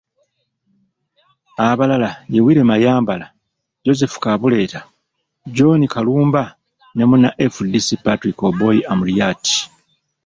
Abalala ye Willy Mayambala, Joseph Kabuleta, John Kalumba ne munna FDC Patrick Obi Amuriat.